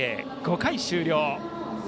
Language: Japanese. ５回終了。